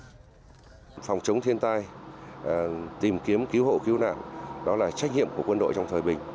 điều đó thêm một lần nữa khẳng định phòng chống thiên tai tìm kiếm cứu hộ cứu nạn đó là trách nhiệm của quân đội trong thời bình